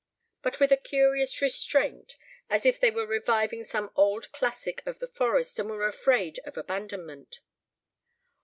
. but with a curious restraint as if they were reviving some old classic of the forest and were afraid of abandonment.